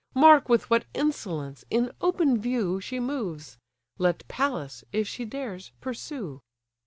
Mark with what insolence, in open view, She moves: let Pallas, if she dares, pursue."